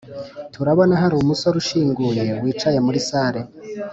turabonahari umusore ushinguye wicaye muri salle